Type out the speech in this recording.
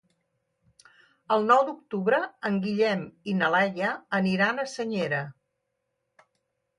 El nou d'octubre en Guillem i na Laia aniran a Senyera.